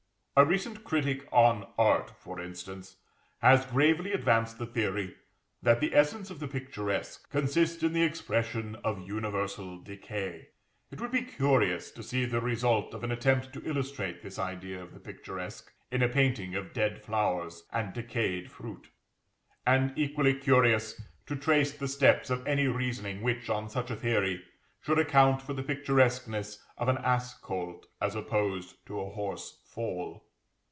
A recent critic on Art, for instance, has gravely advanced the theory that the essence of the picturesque consists in the expression of "universal decay." It would be curious to see the result of an attempt to illustrate this idea of the picturesque, in a painting of dead flowers and decayed fruit, and equally curious to trace the steps of any reasoning which, on such a theory, should account for the picturesqueness of an ass colt as opposed to a horse foal.